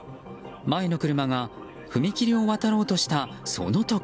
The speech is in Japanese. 前の車が踏切を渡ろうとしたその時。